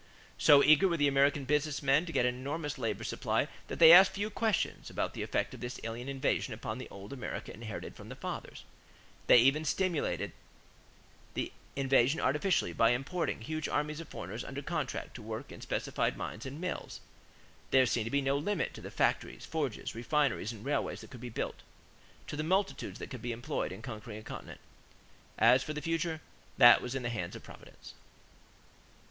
So eager were American business men to get an enormous labor supply that they asked few questions about the effect of this "alien invasion" upon the old America inherited from the fathers. They even stimulated the invasion artificially by importing huge armies of foreigners under contract to work in specified mines and mills. There seemed to be no limit to the factories, forges, refineries, and railways that could be built, to the multitudes that could be employed in conquering a continent. As for the future, that was in the hands of Providence!